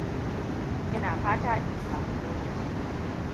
Ina fata in samu lokaci.